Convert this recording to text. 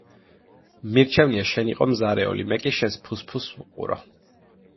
მირჩევნია, შენ იყო მზარეული, მე კი შენს ფუსფუსს ვუყურო.